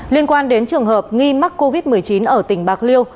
liên quan đến trường hợp nghi mắc covid một mươi chín ở tỉnh bạc liêu